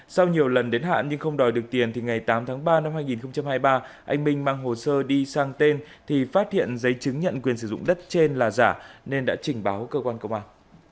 sau nhiều lần đến hạn nhưng không đòi được tiền thì ngày tám tháng ba năm hai nghìn hai mươi ba anh minh mang hồ sơ đi sang tên thì phát hiện giấy chứng nhận quyền sử dụng đất trên là giả nên đã trình báo cơ quan công an